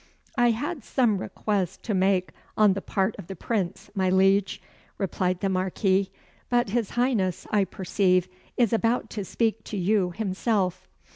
"I had some request to make on the part of the Prince, my Liege," replied the Marquis; "but his Highness, I perceive, is about to speak to you himself."